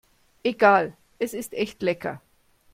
Egal, es ist echt lecker.